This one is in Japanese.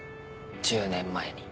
１０年前に。